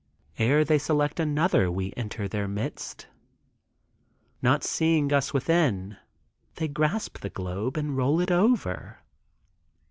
Ere they select another we enter their midst. Not seeing us within, they grasp the globe and roll it over.